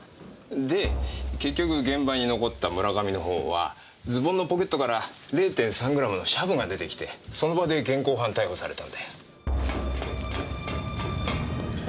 で結局現場に残った村上のほうはズボンのポケットから０．３グラムのシャブが出てきてその場で現行犯逮捕されたんだよ。